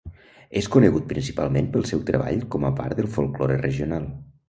És conegut principalment pel seu treball com a part del folklore regional.